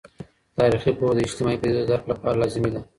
تاریخي پوهه د اجتماعي پدیدو د درک لپاره لازمي ده.